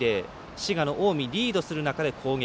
滋賀の近江リードする中で攻撃。